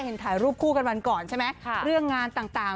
ถ่ายรูปคู่กันวันก่อนใช่ไหมเรื่องงานต่าง